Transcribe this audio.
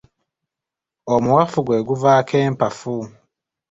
Omuwafu gwe guvaako empafu.